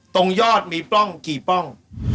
ตรงยอดมีปล้องกี่ปล้อง